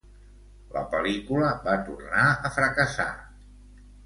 La pel·lícula va tornar a fracassar.